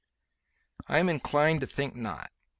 "I am inclined to think not.